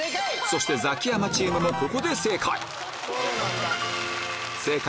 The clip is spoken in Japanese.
そしてザキヤマチームもここで正解